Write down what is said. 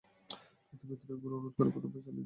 তাদের ভেতর ঐগুলি অনুরোধ করে প্রথমটা চালিয়ে দেব।